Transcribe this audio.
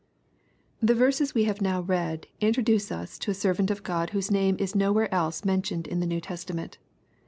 The verses we have now read introduce us to a servant of God whose name is nowhere else mentioned in the New Testament.